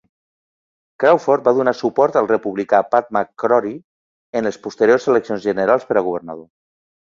Crawford va donar suport al republicà Pat McCrory en les posteriors eleccions generals per a governador.